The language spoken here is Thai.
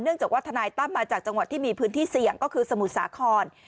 จากว่าทนายตั้มมาจากจังหวัดที่มีพื้นที่เสี่ยงก็คือสมุทรสาคร